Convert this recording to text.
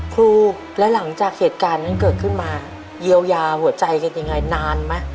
ครูแล้วหลังจากเหตุการณ์นั้นเกิดขึ้นมาเยียวยาหัวใจกันยังไงนานไหม